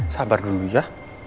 sabar dulu ya